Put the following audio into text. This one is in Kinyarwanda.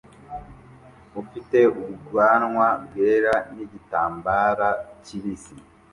ufite ubwanwa bwera nigitambara kibisi